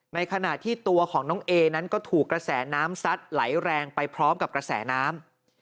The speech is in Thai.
ในขณะที่ตัวของน้องเอนั้นก็ถูกกระแสน้ำซัดไหลแรงไปพร้อมกับกระแสน้ำ